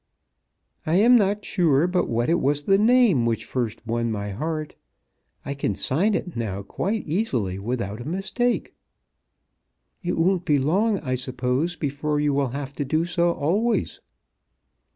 "I am not sure but what it was the name which first won my heart. I can sign it now quite easily without a mistake." "It won't be long, I suppose, before you will have to do so always?"